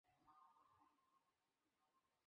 ভুলে যাস না আমার টাকাতেই তুই বড় হয়েছিস।